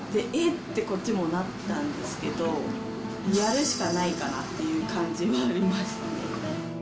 ってこっちもなったんですけど、やるしかないかなっていう感じはありましたね。